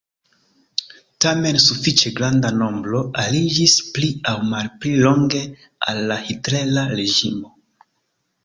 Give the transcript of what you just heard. Tamen sufiĉe granda nombro aliĝis pli aŭ malpli longe al la hitlera reĝimo.